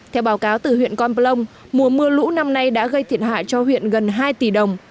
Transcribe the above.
theo báo cáo từ huyện con plong mùa mưa lũ năm nay đã gây thiệt hại cho huyện gần hai tỷ đồng